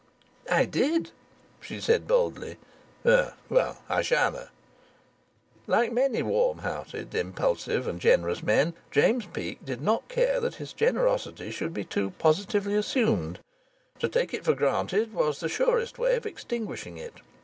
"I did," she said boldly. "Well, I shanna'." Like many warm hearted, impulsive and generous men, James Peake did not care that his generosity should be too positively assumed. To take it for granted was the surest way of extinguishing it.